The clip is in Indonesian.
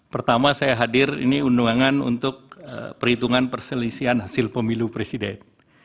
pertama saya hadir ini undangan untuk perhitungan perselisihan hasil pemilu presiden